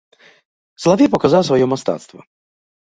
Салавей паказаў сваё мастацтва.